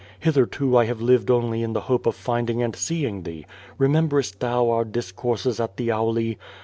Hitherto, I have lived only in the hoi)e of finding and seeing thee Rememberest thou our discourses at the Auli?